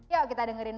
yuk kita dengerin